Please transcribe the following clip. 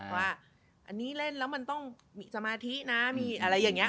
ว่าอันนี้เล่นแล้วมันต้องมีสมาธินะมีอะไรอย่างนี้